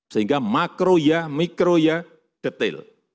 sehingga makro ya mikro ya detail